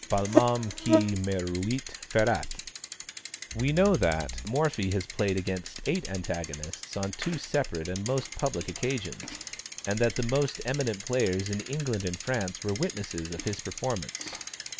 Palmam qui meruit, ferat. We know that Morphy has played against eight antagonists on two separate and most public occasions, and that the most eminent players in England and France were witnesses of his performance.